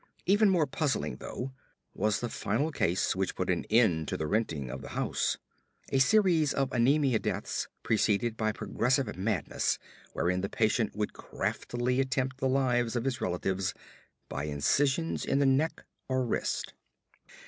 Even more puzzling, though, was the final case which put an end to the renting of the house a series of anemia deaths preceded by progressive madnesses wherein the patient would craftily attempt the lives of his relatives by incisions in the neck or wrist.